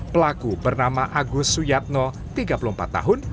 pelaku bernama agus suyatno tiga puluh empat tahun